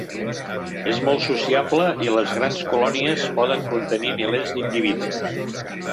És molt sociable i les grans colònies poden contenir milers d'individus.